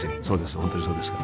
本当にそうですから。